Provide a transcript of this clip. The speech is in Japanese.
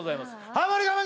ハモリ我慢